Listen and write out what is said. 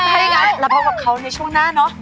ได้ไงแล้วพบกับเขาในช่วงหน้าเนาะ